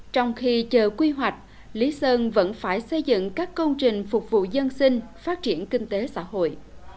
trong khi chờ quy hoạch lý sơn vẫn phải xây dựng các công trình phục vụ dân sinh phát triển kinh tế xã hội